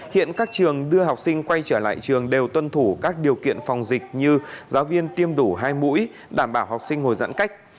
hiện các trường đưa học sinh quay trở lại trường đều tuân thủ các điều kiện phòng dịch như giáo viên tiêm đủ hai mũi đảm bảo học sinh ngồi giãn cách